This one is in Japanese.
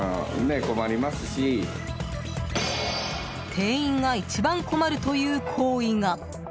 店員が一番困るという行為が。